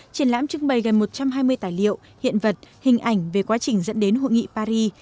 triển lãm trưng bày gần một trăm hai mươi tài liệu hiện vật hình ảnh về quá trình dẫn đến hội nghị paris